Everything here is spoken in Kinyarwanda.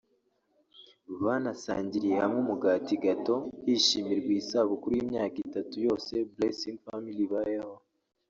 banasangiriye hamwe umugati (Gateau) hishimirwa iyi sabukuru y’imyaka itatu yose Blesings Family ibayeho